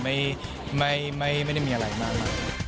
ไม่ไม่ได้มีอะไรมาก